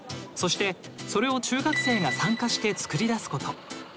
そしてそれを中学生が参加して作り出すこと。